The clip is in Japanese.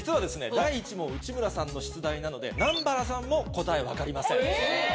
第１問内村さんの出題なので南原さんも答え分かりません。